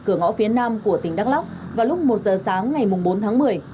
cửa ngõ phía nam của tỉnh đắk lóc vào lúc một giờ sáng ngày bốn tháng một mươi